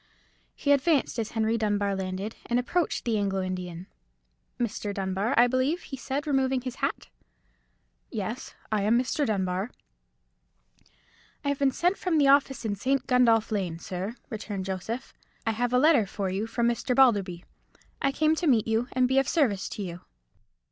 He advanced as Henry Dunbar landed, and approached the Anglo Indian. "Mr. Dunbar, I believe?" he said, removing his hat. "Yes, I am Mr. Dunbar." "I have been sent from the office in St. Gundolph Lane, sir," returned Joseph; "I have a letter for you from Mr. Balderby. I came to meet you, and to be of service to you."